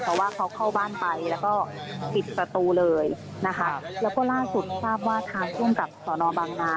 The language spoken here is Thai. เพราะว่าเขาเข้าบ้านไปแล้วก็ปิดประตูเลยนะคะแล้วก็ล่าสุดทราบว่าทางภูมิกับสอนอบางนา